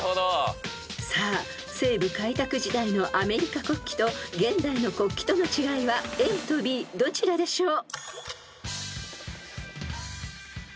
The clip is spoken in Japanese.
［さあ西部開拓時代のアメリカ国旗と現代の国旗との違いはＡとＢどちらでしょう？］